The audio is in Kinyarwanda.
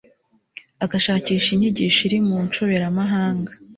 agashakisha inyigisho iri mu nshoberamahanga